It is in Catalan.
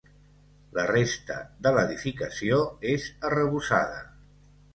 La resta de l'edificació és arrebossada.